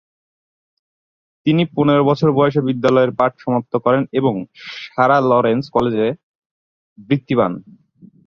তিনি পনেরো বছর বয়সে বিদ্যালয়ের পাঠ সমাপ্ত করেন এবং সারা লরেন্স কলেজে বৃত্তি পান।